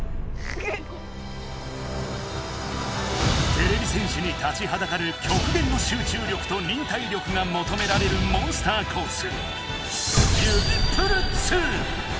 てれび戦士に立ちはだかるきょくげんの集中力と忍耐力がもとめられるモンスターコース